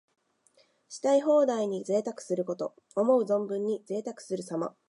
したい放題に贅沢すること。思う存分にぜいたくするさま。